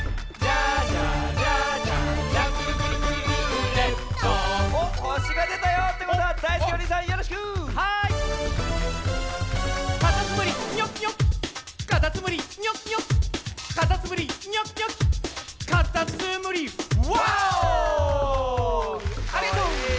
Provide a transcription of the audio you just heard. ありがとう！ねえ